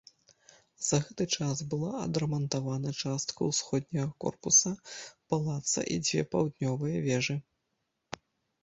За гэты час была адрамантавана частка ўсходняга корпуса палаца і дзве паўднёвыя вежы.